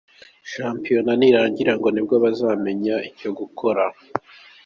Shampiona nirangira ngo ni bwo bazamenya icyo gukora .